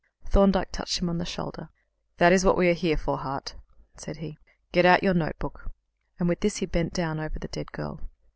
Thorndyke touched him on the shoulder. "That is what we are here for, Hart," said he. "Get out your notebook;" and with this he bent down over the dead girl.